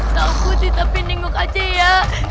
takut tapi aku suka ya